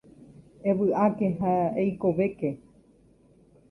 Evy'áke ha eikovéke.